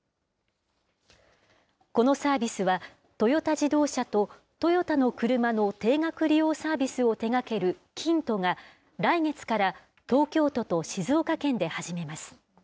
このサービスは、トヨタ自動車とトヨタの車の定額利用サービスを手がけるキントが来月から、東京都と静岡県で始めます。